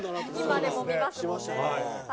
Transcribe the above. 今でも見ますもんね。